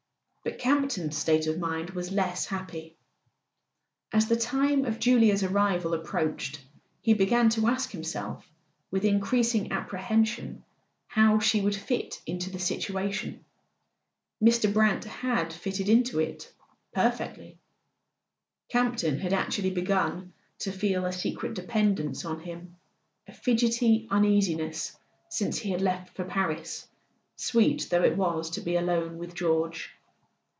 But Campton's state of mind was less happy. As the time of Julia's arrival approached he began to ask himself with increasing apprehension how she would fit into the situation. Mr. Brant had fitted into it— perfectly. Campton had actually begun to feel a secret dependence on him, a fidgety uneasiness since he had left for Paris, sweet though it was to be alone with George.